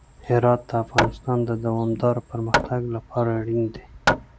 هرات د افغانستان د دوامداره پرمختګ لپاره اړین دي.